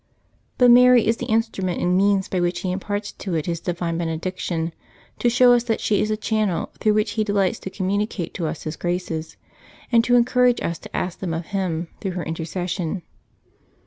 But Mary is the instrument and means by which He imparts to it His divine benediction, to show us that she is a channel through which He delights to communicate to us His graces, and to en courage us to ask them of Him through her intercession.